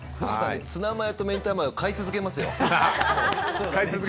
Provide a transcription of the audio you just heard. ツナマヨと明太マヨ買い続けますよ。